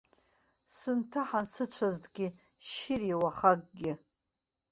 Сынҭаҳан сыцәазҭгьы, шьыри, уахакгьы!